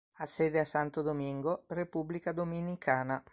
Ha sede a Santo Domingo, Repubblica Dominicana.